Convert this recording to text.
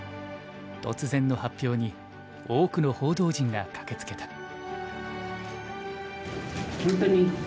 突然の発表に多くの報道陣が駆けつけた。